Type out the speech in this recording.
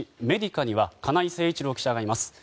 メディカには金井誠一郎記者がいます。